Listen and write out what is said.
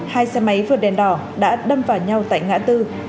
hai xe máy vượt đèn đỏ đã đâm vào nhau tại ngã tư